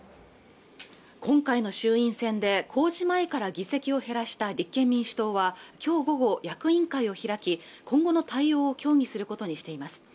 今回の衆院選で公示前から議席を減らした立憲民主党は今日午後役員会を開き今後の対応を協議することにしています